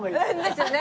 ですよね。